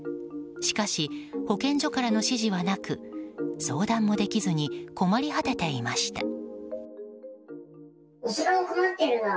しかし、保健所からの指示はなく相談もできずに困り果てていました。